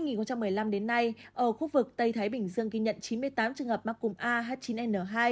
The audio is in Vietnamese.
tính từ năm hai nghìn một mươi năm đến nay ở khu vực tây thái bình dương ghi nhận chín mươi tám trường hợp mắc cục a h chín n hai